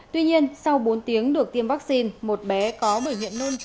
tuy nhiên sau bốn tiếng được tiêm vaccine một bé có bệnh viện nôn trớ